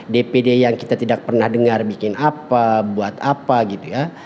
dpd yang kita tidak pernah dengar bikin apa buat apa gitu ya